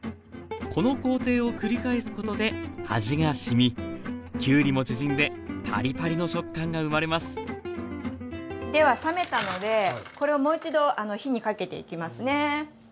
この工程を繰り返すことで味がしみきゅうりも縮んでパリパリの食感が生まれますでは冷めたのでこれをもう一度火にかけていきますね。